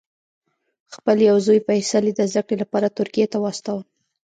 خپل یو زوی فیصل یې د زده کړې لپاره ترکیې ته واستاوه.